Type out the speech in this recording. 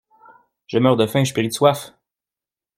Je meurs de faim et je péris de soif!